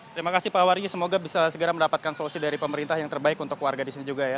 terima kasih pak waryu semoga bisa segera mendapatkan solusi dari pemerintah yang terbaik untuk warga di sini juga ya